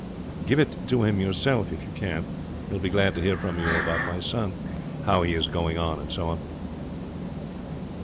Give it to him yourself if you can. He will be glad to hear from you about my son, how he is going on and so on."